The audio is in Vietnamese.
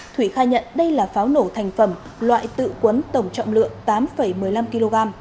thủy khai nhận đây là pháo nổ thành phẩm loại tự quấn tổng trọng lượng tám một mươi năm kg